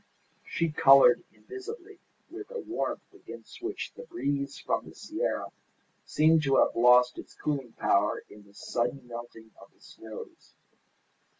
She coloured invisibly, with a warmth against which the breeze from the sierra seemed to have lost its cooling power in the sudden melting of the snows.